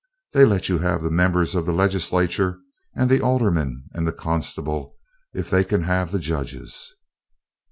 They let you have the members of the Legislature, and the Aldermen and the Constable, if they can have the judges.